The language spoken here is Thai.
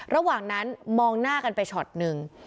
ระหว่างนั้นมองหน้ากันไปช็อตหนึ่ง